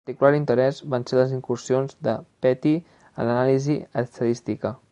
De particular interès van ser les incursions de Petty en l'anàlisi estadística.